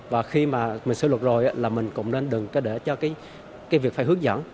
và khi mà mình sửa luật rồi là mình cũng nên đừng để cho cái việc phải hướng dẫn